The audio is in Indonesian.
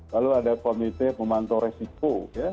lalu ada komite pemantau resiko